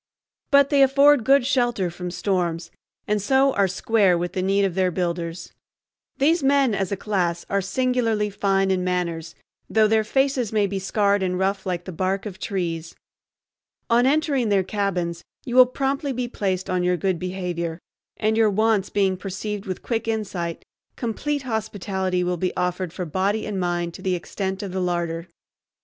But they afford good shelter from storms, and so are "square" with the need of their builders. These men as a class are singularly fine in manners, though their faces may be scarred and rough like the bark of trees. On entering their cabins you will promptly be placed on your good behavior, and, your wants being perceived with quick insight, complete hospitality will be offered for body and mind to the extent of the larder.